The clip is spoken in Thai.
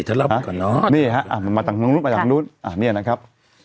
จะเล่าไปก่อนเนอะนี่ฮะอ่ะมาตรงนู้นมาตรงนู้นอ่ะเนี่ยนะครับ